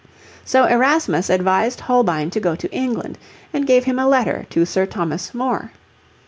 So Erasmus advised Holbein to go to England, and gave him a letter to Sir Thomas More.